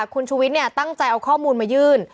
คุณชูวิทย์ตั้งใจเอาข้อมูลมายื่น